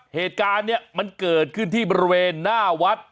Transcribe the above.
เหตุการณ์นี้มันเกิดขึ้นที่บริเวณหน้าวัด